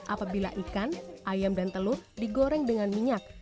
apabila ikan ayam dan telur digoreng dengan minyak